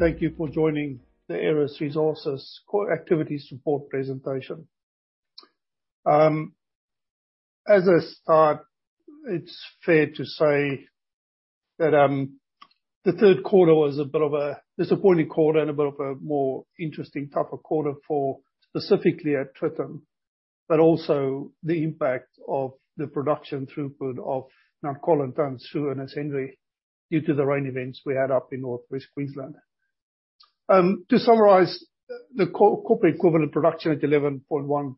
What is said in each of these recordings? Good afternoon, everyone, and thank you for joining the Aeris Resources Core Activity Support presentation. As I start, it's fair to say that the Q3 was a bit of a disappointing quarter and a bit of a more interesting tougher quarter for specifically at Tritton. Also, the impact of the production throughput of Mt Colin tons, Sue and Assengari, due to the rain events we had up in North West Queensland. To summarize, the copper equivalent production at 11.1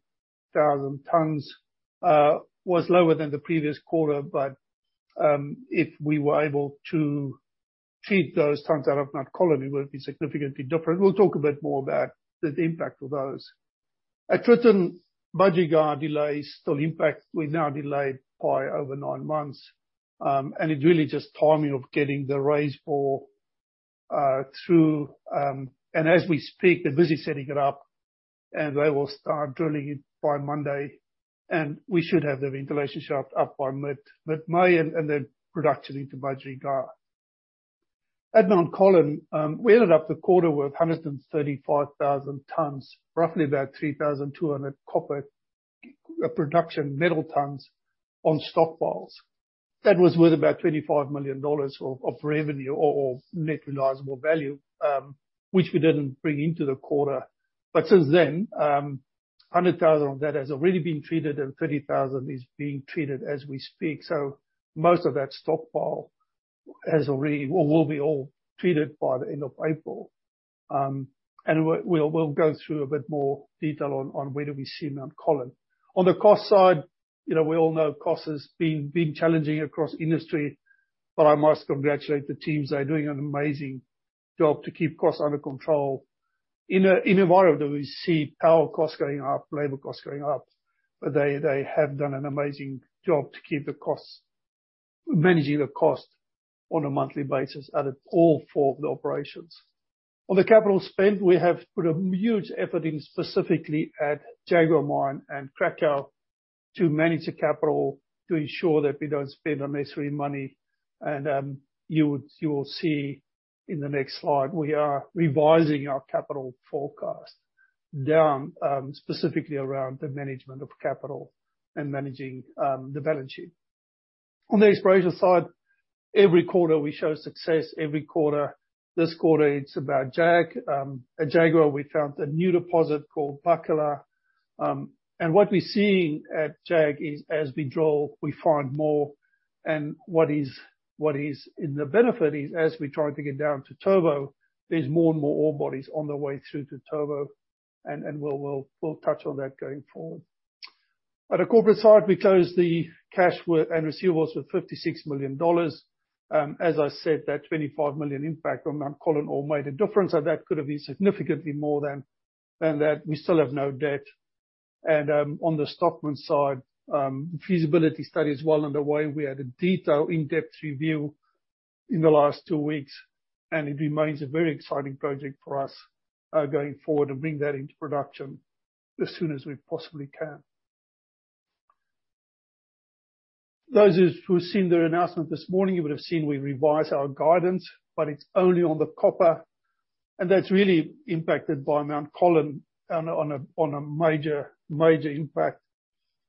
thousand tons was lower than the previous quarter, but if we were able to treat those tons out of Mt Colin, it would be significantly different. We'll talk a bit more about the impact of those. At Tritton, Budgerygar delays still impact. We're now delayed by over 9 months, and it really just timing of getting the raise bore through. As we speak, they're busy setting it up, they will start drilling it by Monday, we should have the ventilation shaft up by mid-May and then production into Budgerygar. At Mt Colin, we ended up the quarter with 135,000 tonnes, roughly about 3,200 copper production metal tonnes on stockpiles. That was worth about 25 million dollars of revenue or net realizable value, which we didn't bring into the quarter. Since then, 100,000 of that has already been treated and 30,000 is being treated as we speak. Most of that stockpile has already or will be all treated by the end of April. We'll go through a bit more detail on where do we see Mt Colin. On the cost side, you know, we all know cost has been challenging across industry. I must congratulate the teams. They're doing an amazing job to keep costs under control in an environment where we see power costs going up, labor costs going up. They have done an amazing job to keep managing the cost on a monthly basis out of all 4 of the operations. On the capital spend, we have put a huge effort in specifically at Jaguar mine and Cracow to manage the capital to ensure that we don't spend unnecessary money. You will see in the next slide, we are revising our capital forecast down, specifically around the management of capital and managing the balance sheet. On the exploration side, every quarter we show success. Every quarter. This quarter, it's about Jag. At Jaguar, we found a new deposit called Buckler. What we're seeing at Jag is as we drill, we find more. The benefit is as we try to get down to Turbo, there's more and more ore bodies on the way through to Turbo, and we'll touch on that going forward. At a corporate side, we closed the cash and receivables with 56 million dollars. As I said, that 25 million impact on Mount Colin ore made a difference, that could have been significantly more than that. We still have no debt. On the Stockman side, feasibility study is well underway. We had a detailed in-depth review in the last 2 weeks. It remains a very exciting project for us, going forward and bring that into production as soon as we possibly can. Those who've seen the announcement this morning, you would have seen we revised our guidance. It's only on the copper. That's really impacted by Mt Colin on a major impact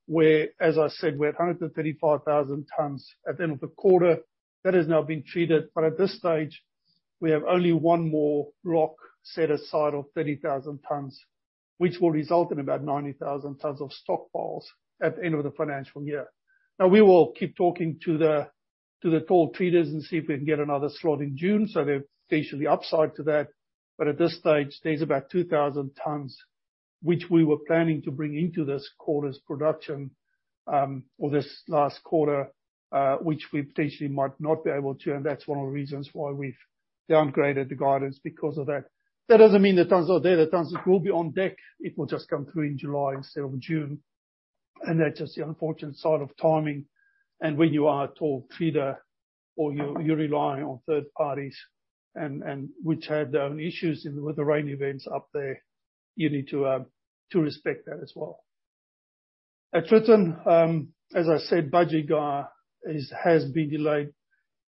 where, as I said, we had 135,000 tons at the end of the quarter. That has now been treated. At this stage we have only 1 more block set aside of 30,000 tons, which will result in about 90,000 tons of stockpiles at the end of the financial year. We will keep talking to the, to the toll treaters and see if we can get another slot in June. There's potentially upside to that. At this stage, there's about 2,000 tons which we were planning to bring into this quarter's production, or this last quarter, which we potentially might not be able to, and that's one of the reasons why we've downgraded the guidance because of that. That doesn't mean the tons are there. The tons will be on deck. It will just come through in July instead of June. That's just the unfortunate side of timing. When you are a toll treater or you're relying on third parties and which had their own issues with the rain events up there, you need to respect that as well. At Tritton, as I said, Budgerygar has been delayed.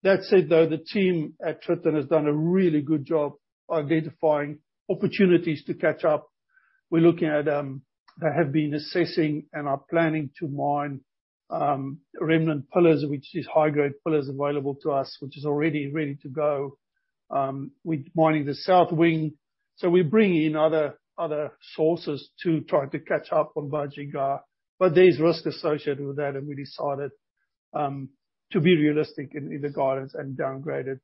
That said, though, the team at Tritton has done a really good job identifying opportunities to catch up. We're looking at. They have been assessing and are planning to mine remnant pillars, which is high-grade pillars available to us, which is already ready to go with mining the south wing. We bring in other sources to try to catch up on Budgerygar. There's risk associated with that, and we decided to be realistic in the guidance and downgraded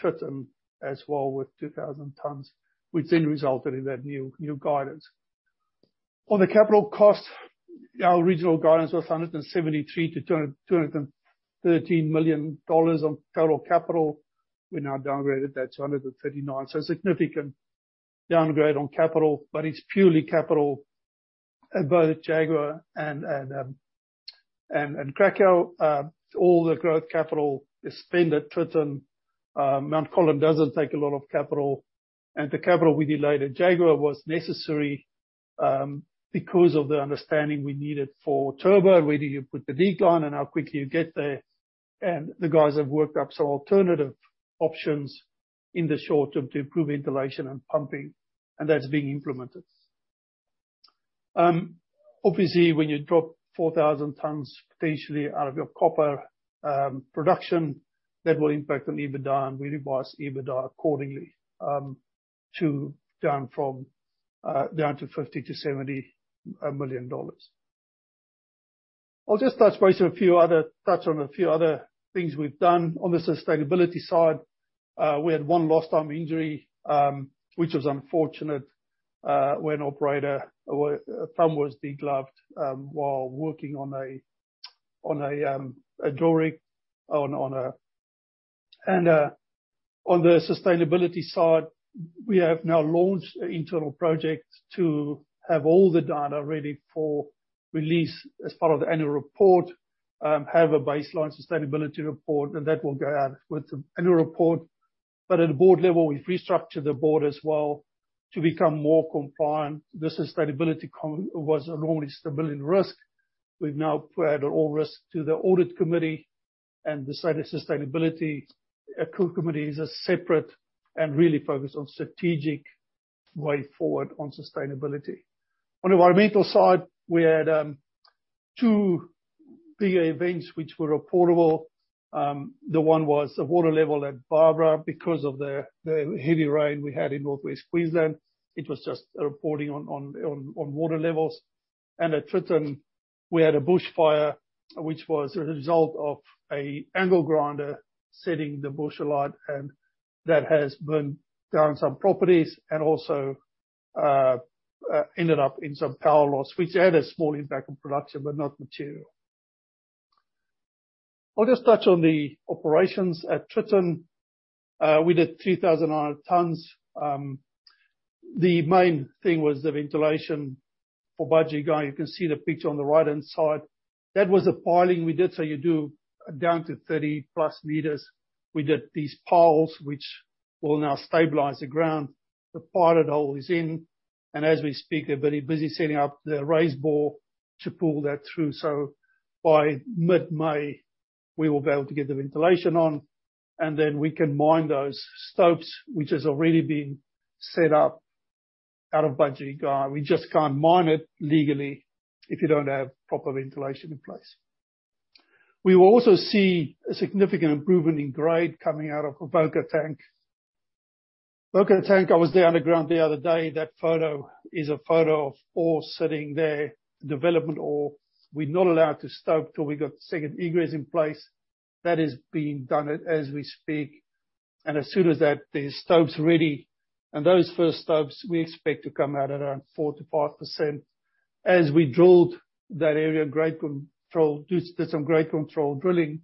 Tritton as well with 2,000 tonnes, which then resulted in that new guidance. On the capital cost, our original guidance was 173 million to 213 million dollars on total capital. We now downgraded that to 139 million. A significant downgrade on capital, but it's purely capital at both Jaguar and Cracow. All the growth capital is spent at Tritton. Mt Colin doesn't take a lot of capital, and the capital we delayed at Jaguar was necessary because of the understanding we needed for turbo, where do you put the decline and how quickly you get there. The guys have worked up some alternative options in the short term to improve ventilation and pumping, and that's being implemented. Obviously, when you drop 4,000 tons potentially out of your copper production, that will impact on EBITDA, and we revised EBITDA accordingly, down to 50 million to 70 million dollars. I'll just touch on a few other things we've done. On the sustainability side, we had 1 lost time injury, which was unfortunate, when operator, thumb was degloved, while working on a, on a drill rig on a... On the sustainability side, we have now launched internal projects to have all the data ready for release as part of the annual report, have a baseline sustainability report, and that will go out with the annual report. At the board level, we've restructured the board as well to become more compliant. The sustainability com was normally stability and risk. We've now added all risk to the audit committee and decided sustainability committee is a separate and really focused on strategic way forward on sustainability. On environmental side, we had 2 big events which were reportable. The one was the water level at Barbara because of the heavy rain we had in North-West Queensland. It was just a reporting on water levels. At Tritton, we had a bush fire, which was a result of a angle grinder setting the bush alight, and that has burned down some properties and also ended up in some power loss, which had a small impact on production, but not material. I'll just touch on the operations at Tritton. We did 3,000 odd tons. The main thing was the ventilation for Budgerygar. You can see the picture on the right-hand side. That was the piling we did. You do down to 30+ meters. We did these piles, which will now stabilize the ground. The pilot hole is in, and as we speak, they're very busy setting up the raise bore to pull that through. By mid-May, we will be able to get the ventilation on. We can mine those stopes, which has already been set up out of Budgerygar. We just can't mine it legally if you don't have proper ventilation in place. We will also see a significant improvement in grade coming out of Avoca Tank. Avoca Tank, I was there underground the other day. That photo is a photo of ore sitting there, development ore. We're not allowed to stope till we got 2nd egress in place. That is being done as we speak. As soon as that, the stope's ready. Those 1st stopes, we expect to come out around 4%-5%. As we drilled that area, grade control drilling,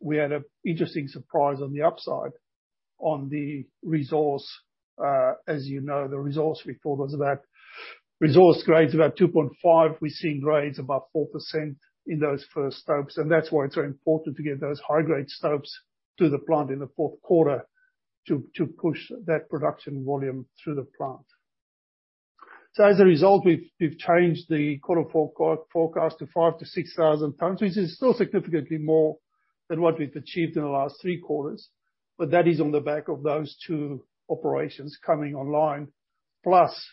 we had an interesting surprise on the upside on the resource. As you know, the resource we thought was resource grade's about 2.5. We're seeing grades above 4% in those 1st stopes, and that's why it's very important to get those high-grade stopes to the plant in the Q4 to push that production volume through the plant. As a result, we've changed the quarter 4 co-forecast to 5,000-6,000 tons, which is still significantly more than what we've achieved in the last 3 quarters. That is on the back of those 2 operations coming online, plus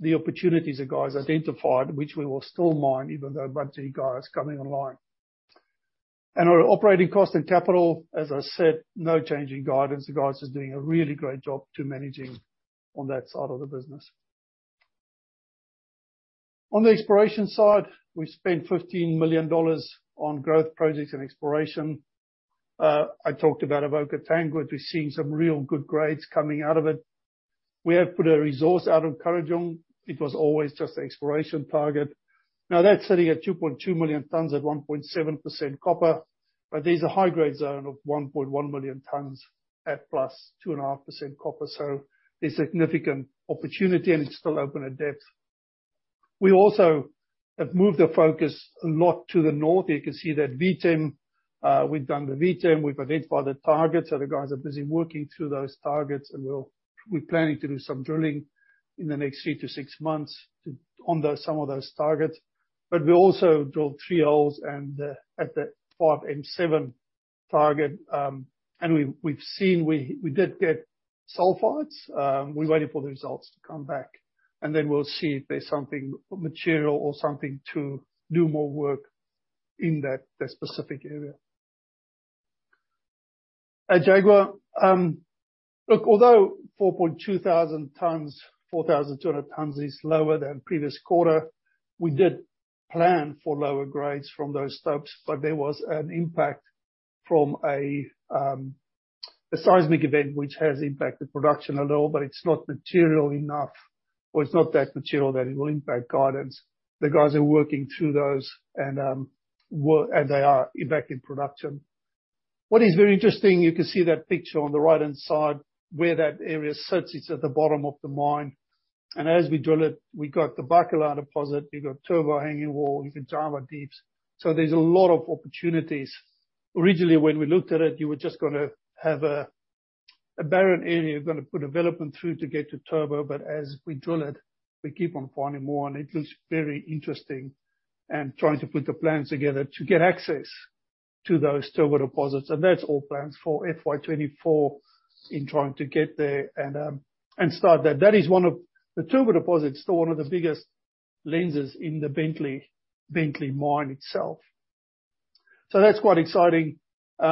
the opportunities the guys identified, which we will still mine even though Budgerygar is coming online. Our operating cost and capital, as I said, no change in guidance. The guys are doing a really great job to managing on that side of the business. On the exploration side, we spent 15 million dollars on growth projects and exploration. I talked about Avoca Tank, which we're seeing some real good grades coming out of it. We have put a resource out of Kurrajong. It was always just an exploration target. That's sitting at 2.2 million tons at 1.7% copper. There's a high-grade zone of 1.1 million tons at +2.5% copper. There's significant opportunity, and it's still open at depth. We also have moved the focus a lot to the north. You can see that VTEM. We've done the VTEM. We've identified the targets, the guys are busy working through those targets, and we're planning to do some drilling in the next 3 to 6 months to some of those targets. We also drilled 3 holes and at the 5M7 target, and we've seen we did get sulfides. We're waiting for the results to come back, and then we'll see if there's something material or something to do more work in that specific area. At Jaguar, look, although 4,200 tons is lower than previous quarter, we did plan for lower grades from those stopes, but there was an impact from a seismic event which has impacted production a little, but it's not material enough, or it's not that material that it will impact guidance. The guys are working through those and they are back in production. What is very interesting, you can see that picture on the right-hand side, where that area sits, it's at the bottom of the mine. As we drill it, we got the Buckler deposit, we got Turbo Hanging Wall, we've got Java Deeps. There's a lot of opportunities. Originally, when we looked at it, you were just gonna have a barren area, we're gonna put development through to get to Turbo. As we drill it, we keep on finding more, and it looks very interesting, and trying to put the plans together to get access to those Turbo deposits. That's all plans for FY 2024 in trying to get there and start that. That is one of the Turbo deposit is still one of the biggest lenses in the Bentley mine itself. That's quite exciting. They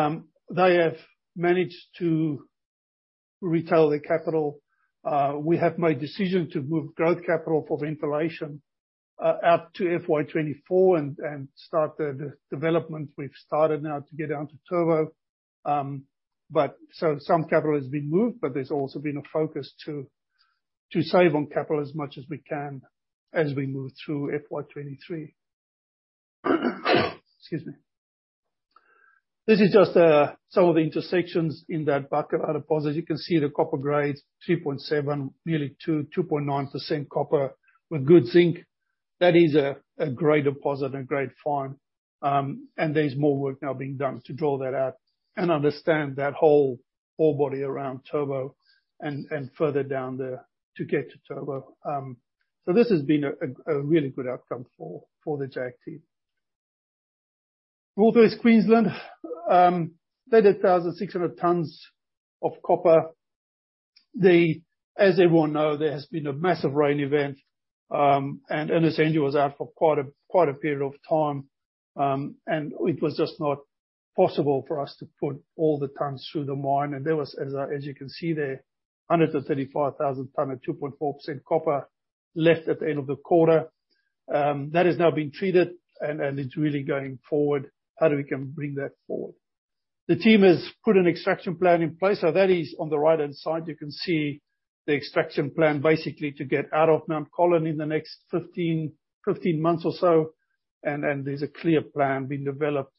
have managed to retail their capital. We have made decisions to move growth capital for ventilation out to FY 2024 and start the development. We've started now to get down to Turbo. Some capital has been moved, but there's also been a focus to save on capital as much as we can as we move through FY 2023. Excuse me. This is just some of the intersections in that Buckler deposit. You can see the copper grades, 3.7, nearly 2.9% copper with good zinc. That is a great deposit and a great find. There's more work now being done to draw that out and understand that whole ore body around Turbo and further down there to get to Turbo. This has been a really good outcome for the Jaguar team. North-West Queensland, they did 1,600 tons of copper. As everyone know, there has been a massive rain event, Ernest Henry was out for quite a period of time, and it was just not possible for us to put all the tons through the mine. There was, as you can see there, 135,000 ton at 2.4% copper left at the end of the quarter. That is now being treated and it's really going forward, how do we can bring that forward. The team has put an extraction plan in place. That is on the right-hand side, you can see the extraction plan basically to get out of Mt Colin in the next 15 months or so, and there's a clear plan being developed,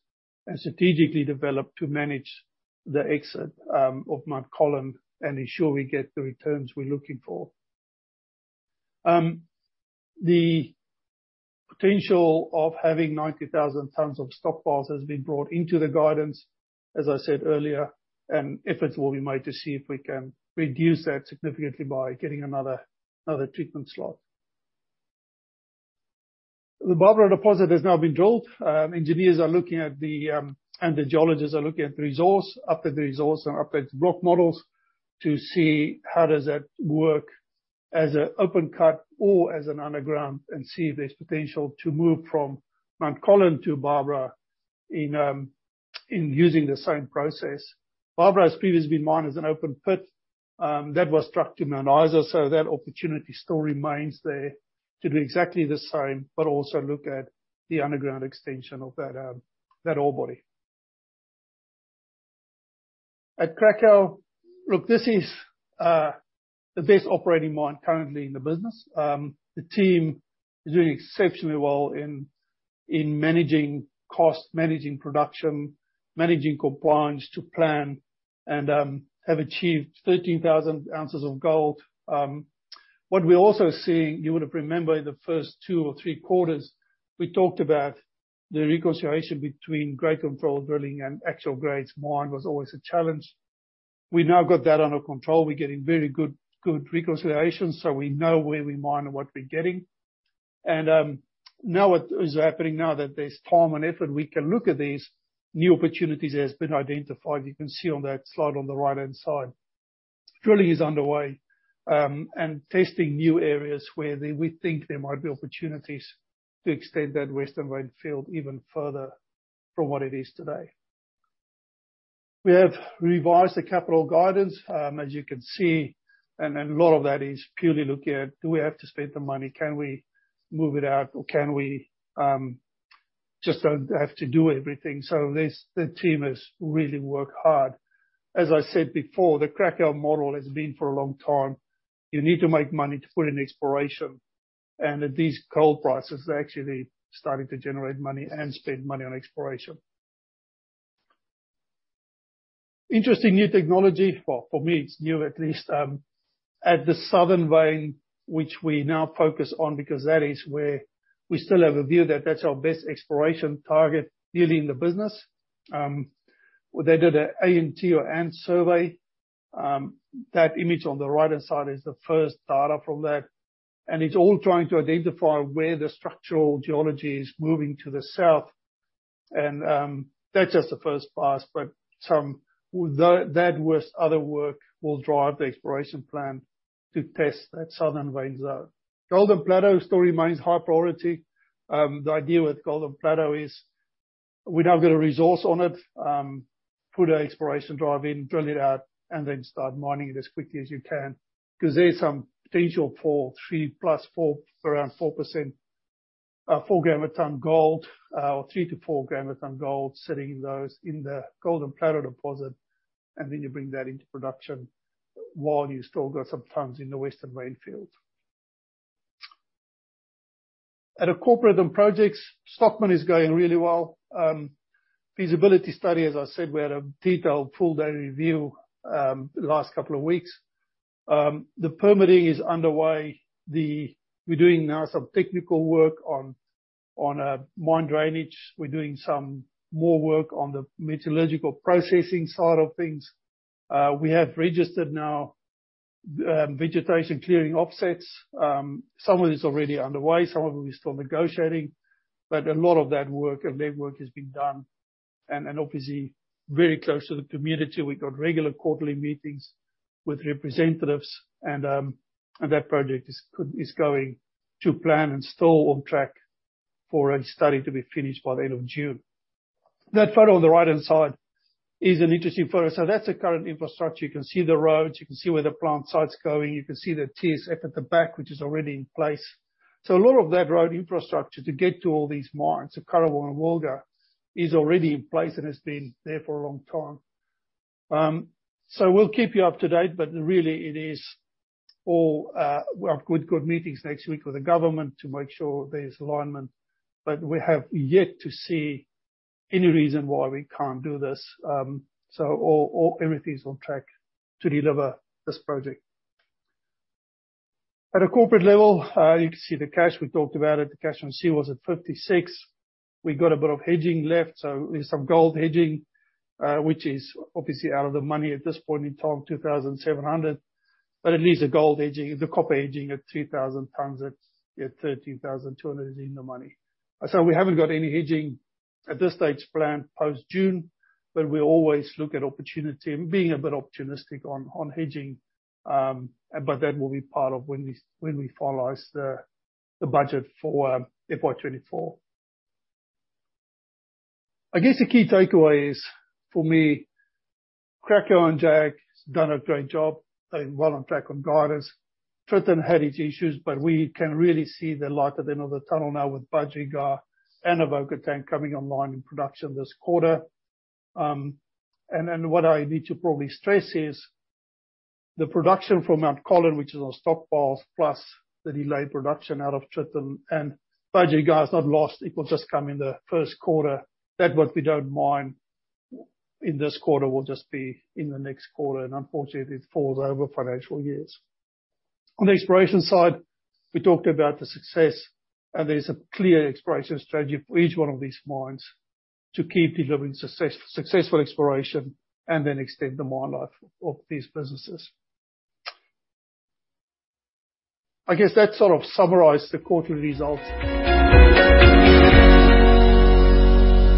and strategically developed to manage the exit of Mt Colin and ensure we get the returns we're looking for. The potential of having 90,000 tons of stockpiles has been brought into the guidance, as I said earlier, and efforts will be made to see if we can reduce that significantly by getting another treatment slot. The Barbara deposit has now been drilled. The geologists are looking at the resource, updated resource and updated block models to see how does that work as an open cut or as an underground, see if there's potential to move from Mt Colin to Barbara in using the same process. Barbara has previously been mined as an open pit, that was struck in Mount Isa. That opportunity still remains there to do exactly the same, also look at the underground extension of that ore body. At Cracow, this is the best operating mine currently in the business. The team is doing exceptionally well in managing cost, managing production, managing compliance to plan, and have achieved 13,000 ounces of gold. What we're also seeing, you would have remembered in the first 2 or 3 quarters, we talked about the reconciliation between grade control drilling and actual grades mined was always a challenge. We've now got that under control. We're getting very good reconciliation, we know where we mine and what we're getting. Now what is happening now that there's time and effort, we can look at these new opportunities that has been identified. You can see on that slide on the right-hand side. Drilling is underway, and testing new areas we think there might be opportunities to extend that Western Vein field even further from what it is today. We have revised the capital guidance, as you can see, and a lot of that is purely looking at, do we have to spend the money? Can we move it out, or can we just don't have to do everything? The team has really worked hard. As I said before, the Cracow model has been for a long time, you need to make money to put in exploration. At these gold prices, they're actually starting to generate money and spend money on exploration. Interesting new technology, for me, it's new at least, at the Southern Vein, which we now focus on because that is where we still have a view that that's our best exploration target really in the business. They did a ANT or ANT survey. That image on the right-hand side is the 1st data from that. It's all trying to identify where the structural geology is moving to the south. That's just the 1st pass, but with that, with other work, will drive the exploration plan to test that Southern Vein zone. Golden Plateau story remains high priority. The idea with Golden Plateau is we've now got a resource on it, put an exploration drive in, drill it out, and then start mining it as quickly as you can. Because there's some potential for 3+4 around 4%, 4 gram of ton gold, or 3 to 4 gram of ton gold sitting in those, in the Golden Plateau deposit, and then you bring that into production while you've still got some tons in the Western Vein field. At a corporate and projects, Stockman is going really well. Feasibility study, as I said, we had a detailed full day review, last couple of weeks. The permitting is underway. We're doing now some technical work on mine drainage. We're doing some more work on the metallurgical processing side of things. We have registered now vegetation clearing offsets. Some of it is already underway, some of it we're still negotiating, but a lot of that work, a leg work has been done and obviously very close to the community. We've got regular quarterly meetings with representatives and that project is going to plan and still on track for a study to be finished by the end of June. That photo on the right-hand side is an interesting photo. That's the current infrastructure. You can see the roads, you can see where the plant site's going, you can see the TSF at the back, which is already in place. A lot of that road infrastructure to get to all these mines, Currawong and Wilga, is already in place and has been there for a long time. We'll keep you up to date, but really it is all, we have good meetings next week with the government to make sure there's alignment. We have yet to see any reason why we can't do this. Everything's on track to deliver this project. At a corporate level, you can see the cash. We talked about it. The cash on C was at 56. We got a bit of hedging left, so there's some gold hedging, which is obviously out of the money at this point in time, 2,700. At least the copper hedging at 2,000 tons at $13,200 is in the money. We haven't got any hedging at this stage planned post-June, but we always look at opportunity and being a bit opportunistic on hedging. That will be part of when we finalize the budget for FY 2024. I guess the key takeaway is, for me, Cracow and Jag have done a great job. They're well on track on guidance. Tritton had its issues, but we can really see the light at the end of the tunnel now with Budgerygar and Avoca Tank coming online in production this quarter. What I need to probably stress is the production from Mt Colin, which is on stockpile, plus the delayed production out of Tritton and Budgerygar is not lost, it will just come in the Q1. That what we don't mine in this quarter will just be in the next quarter, unfortunately it falls over financial years. On the exploration side, we talked about the success, there's a clear exploration strategy for each one of these mines to keep delivering successful exploration and then extend the mine life of these businesses. I guess that sort of summarized the quarterly results.